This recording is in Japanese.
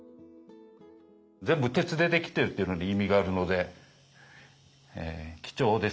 全部鉄で出来てるっていうのに意味があるので貴重ですね。